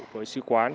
với sư quán